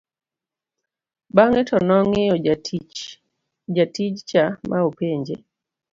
bang'e to nong'iyo jatijcha ma openje